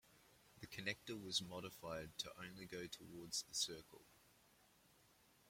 The connector was modified to only go towards the Circle.